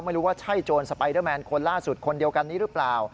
ไม่รู้ว่าใช่โจรสไปเดอร์แมนคนล่าสุดคนเดียวกันนี้หรือเปล่า